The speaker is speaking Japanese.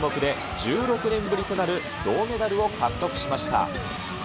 この種目で１６年ぶりとなる銅メダルを獲得しました。